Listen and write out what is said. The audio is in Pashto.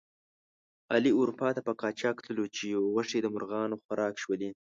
علي اروپا ته په قاچاق تللو چې غوښې د مرغانو خوراک شولې.